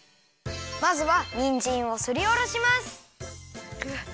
まずはにんじんをすりおろします。